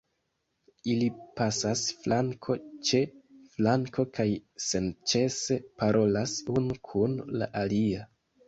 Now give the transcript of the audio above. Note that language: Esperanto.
Ili pasas flanko ĉe flanko kaj senĉese parolas unu kun la alia.